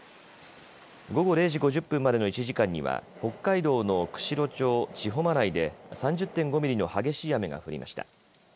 午後０時５０分までの１時間には北海道の釧路町知方学で３０．５ミリの激しい雨が降りました。